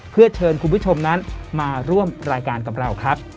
เพื่อเชิญคุณผู้ชมนั้นมาร่วมรายการกับเราครับ